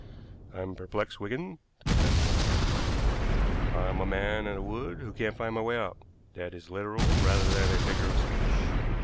"I'm perplexed, Wigan," the professor went on. "I'm a man in a wood and can't find my way out. That is literal rather than a figure of speech.